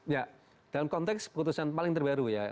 ya dalam konteks putusan paling terbaru ya